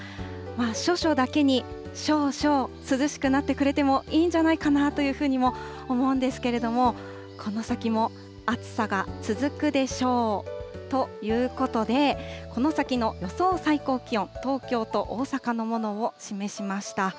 処暑だけに、少々、涼しくなってくれてもいいんじゃないかなというふうにも思うんですけれども、この先も暑さが続くでしょう。ということで、この先の予想最高気温、東京と大阪のものを示しました。